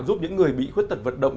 giúp những người bị khuyết tật vật động